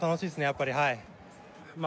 やっぱりはいまあ